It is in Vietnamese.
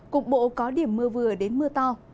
cục bộ có điểm mưa vừa đến mưa to